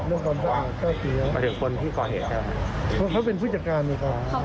หรือถ้าเขาไม่ว่างผมก็ไปบอกปล่อยบุคคลได้